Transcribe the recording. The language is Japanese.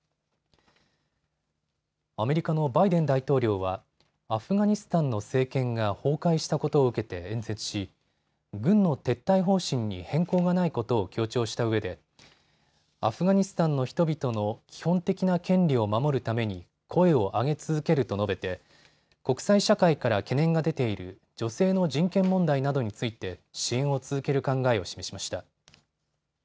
アメリカのバイデン大統領はアフガニスタンの政権が崩壊したことを受けて演説し、軍の撤退方針に変更がないことを強調したうえでアフガニスタンの人々の基本的な権利を守るために声を上げ続けると述べて国際社会から懸念が出ている女性の人権問題などについて支援を続ける考えを示しました。